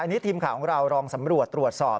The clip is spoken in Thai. อันนี้ทีมข่าวของเราลองสำรวจตรวจสอบ